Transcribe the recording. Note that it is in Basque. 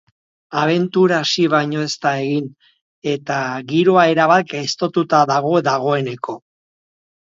Abentura hasi baino ez da egin eta giroa erabat gaiztotuta dago dagoeneko.